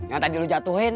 yang tadi lo jatuhin